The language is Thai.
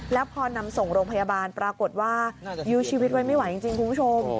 แล้วพอนำส่งโรงพยาบาลปรากฏว่ายื้อชีวิตไว้ไม่ไหวจริงคุณผู้ชม